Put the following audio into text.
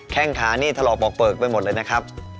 งขานี่ถลอกปอกเปลือกไปหมดเลยนะครับ